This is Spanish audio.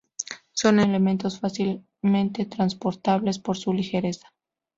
Son elementos fácilmente transportables por su ligereza.